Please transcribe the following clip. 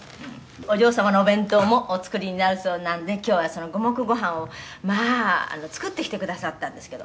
「お嬢様のお弁当もお作りになるそうなんで今日はその五目ご飯をまあ作ってきてくださったんですけど」